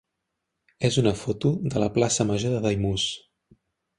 és una foto de la plaça major de Daimús.